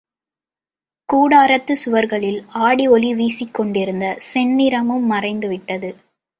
கூடாரத்துச் சுவர்களில் ஆடி ஒளி வீசிக்கொண்டிருந்த செந்நிறமும் மறைந்து விட்டது.